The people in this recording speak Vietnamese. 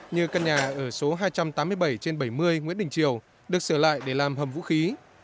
như căn nhà ở số hai trăm tám mươi bảy trên bảy mươi nguyễn đình triều được sửa lại để làm hầm vũ khí